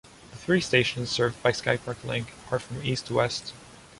The three stations served by Skypark Link are, from east to west: